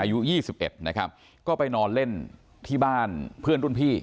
อายุ๒๑นะครับก็ไปนอนเล่นที่บ้านเพื่อนรุ่นพี่